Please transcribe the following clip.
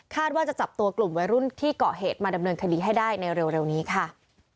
ว่าจะจับตัวกลุ่มวัยรุ่นที่เกาะเหตุมาดำเนินคดีให้ได้ในเร็วนี้ค่ะ